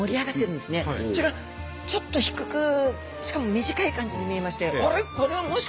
それがちょっと低くしかも短い感じに見えまして。